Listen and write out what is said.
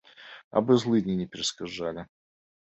Абы злыдні не перашкаджалі.